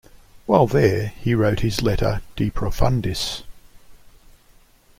While there, he wrote his letter "De Profundis".